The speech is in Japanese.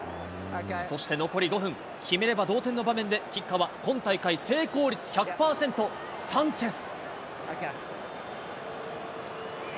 そして残り５分、決めれば同点の場面で、キッカーは、今大会成功率１００％、サンチェス。